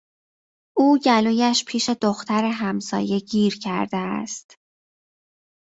او گلویش پیش دختر همسایه گیر کرده است.